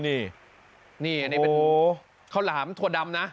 นี่นี่อันนี้เป็นข้าวหลามถั่วดำนะ